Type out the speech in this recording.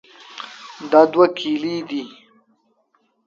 دا دوه کیلې دي.